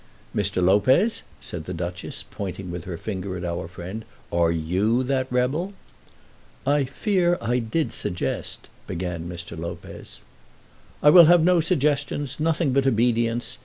"Mr. Lopez," said the Duchess, pointing with her finger at our friend, "are you that rebel?" "I fear I did suggest " began Mr. Lopez. "I will have no suggestions, nothing but obedience.